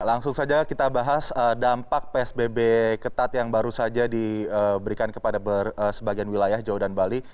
langsung saja kita bahas dampak psbb ketat yang baru saja diberikan kepada sebagian wilayah jawa dan bali